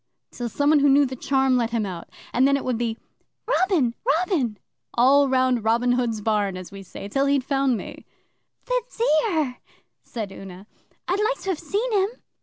till some one who knew the Charm let him out, and then it would be "Robin! Robin!" all round Robin Hood's barn, as we say, till he'd found me.' 'The dear!' said Una. 'I'd like to have seen him!